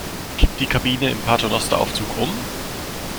Kippt die Kabine im Paternosteraufzug um?